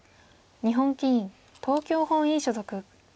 日本棋院東京本院所属。